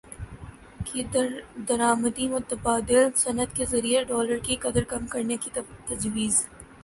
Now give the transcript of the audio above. کی درامدی متبادل صنعت کے ذریعے ڈالر کی قدر کم کرنے کی تجویز